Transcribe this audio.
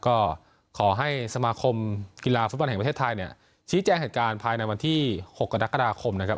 ก็ขอให้สมาคมกีฬาฟุตบอลแห่งประเทศไทยเนี่ยชี้แจงเหตุการณ์ภายในวันที่๖กรกฎาคมนะครับ